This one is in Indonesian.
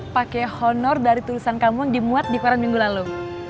pakai honor dari tulisan kamu yang dimuat di peron minggu lalu